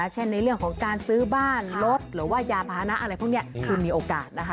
เช่นในเรื่องของการซื้อบ้านรถหรือว่ายาพานะอะไรพวกนี้คือมีโอกาสนะคะ